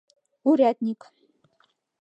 Урядник.